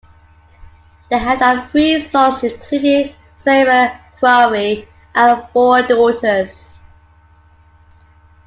They had of three sons, including Sir Eyre Crowe and four daughters.